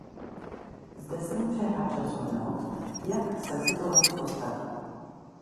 Zde se může hráč rozhodnout jak se k situaci postaví.